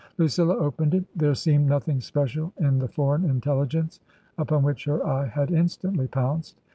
Lucilla opened it. There seemed nothing special in the foreign intelligence, upon which her eye had instantly pounced.